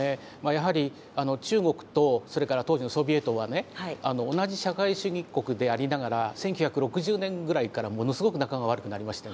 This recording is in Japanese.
やはり中国とそれから当時のソビエトはね同じ社会主義国でありながら１９６０年ぐらいからものすごく仲が悪くなりましてね